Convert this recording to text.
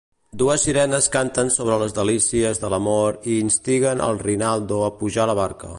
Dues sirenes canten sobre les delícies de l'amor i instiguen el Rinaldo a pujar a la barca.